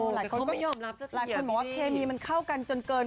หลายคนว่าเทมีมันเข้ากันจนเกิน